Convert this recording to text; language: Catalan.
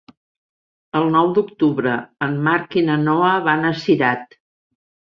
El nou d'octubre en Marc i na Noa van a Cirat.